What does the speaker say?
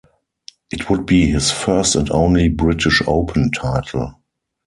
It would be his first and only British Open title.